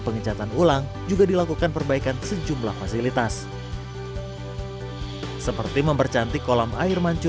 pengencanaan ulang juga dilakukan perbaikan sejumlah fasilitas seperti mempercantik kolam